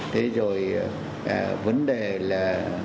thế rồi vấn đề là